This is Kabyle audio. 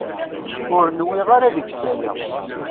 Ur nwiɣ ara deg-s aya.